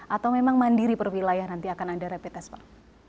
atau memang mandiri per wilayah nanti akan ada rapid test pak